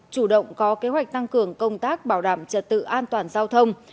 chủ động có kế hoạch tăng cường công tác bảo đảm trật tự an toàn giao thông